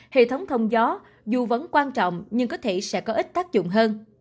hệ thống thông gió dù vẫn quan trọng nhưng có thể sẽ có ít tác dụng hơn